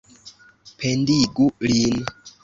Pendigu lin!